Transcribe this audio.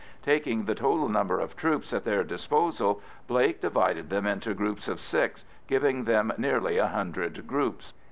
Taking the total number of troops at their disposal, Blake divided them into groups of six, giving them nearly a hundred groups.